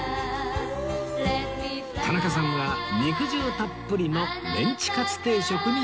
田中さんは肉汁たっぷりのメンチ勝定食にしました